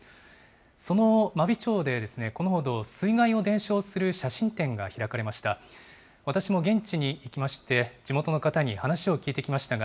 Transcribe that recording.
その真備町で、このほど、水害を伝承する写真展が開かれました。